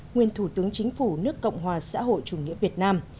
nguyên thủ tướng chính phủ nước cộng hòa xã hội chủ nghĩa việt nam